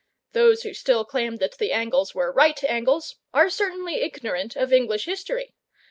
Those who still claim that the Angles were right Angles are certainly ignorant of English history.